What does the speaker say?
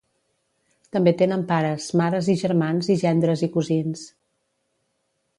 També tenen pares, mares i germans i gendres i cosins.